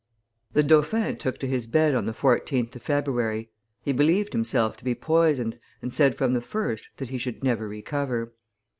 The dauphin took to his bed on the 14th of February; he believed himself to be poisoned, and said, from the first, that he should never recover.